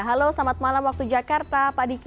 halo selamat malam waktu jakarta pak diki